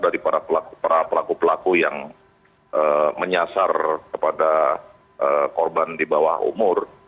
dari para pelaku pelaku yang menyasar kepada korban di bawah umur